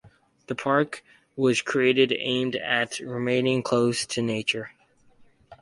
The park was created aimed at remaining close to nature.